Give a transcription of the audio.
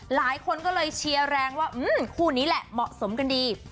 หลายคนก็เลยเชียร์แรงว่าคู่นี้แหละเหมาะสมกันดี